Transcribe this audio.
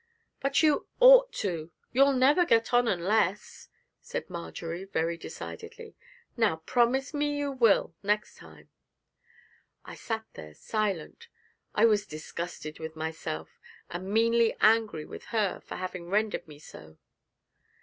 'But you ought to. You'll never get on unless,' said Marjory, very decidedly. 'Now, promise me you will, next time.' I sat there silent. I was disgusted with myself, and meanly angry with her for having rendered me so.